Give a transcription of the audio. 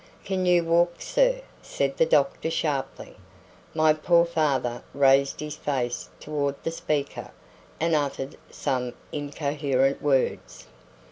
"Can you walk, sir?" said the doctor sharply. My poor father raised his face toward the speaker and uttered some incoherent words.